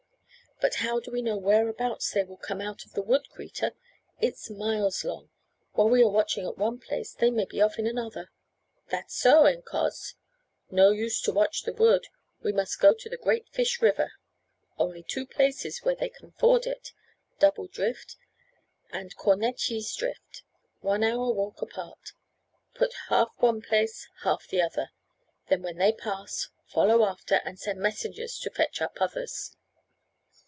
"But how do we know whereabouts they will come out of the wood, Kreta? It's miles long; while we are watching at one place, they may be off in another." "That's so, incos; no use to watch the wood. We must go on to the Great Fish River. Only two places where they can ford it Double Drift and Cornetjies Drift, one hour's walk apart. Put half one place, half the other; then when they pass, follow after and send messengers to fetch up others."